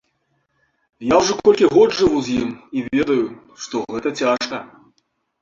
Я ўжо колькі год жыву з ім і ведаю, што гэта цяжка.